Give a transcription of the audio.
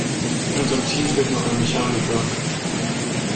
In unserem Team fehlt noch ein Mechaniker.